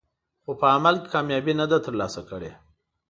خو په عمل کې کامیابي نه ده ترلاسه کړې.